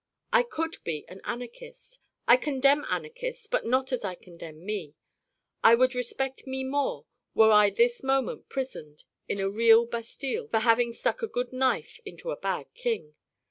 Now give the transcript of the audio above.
I could be an anarchist. I condemn anarchists but not as I condemn Me. I would respect me more were I this moment prisoned in a real bastile for having stuck a good knife into a bad king.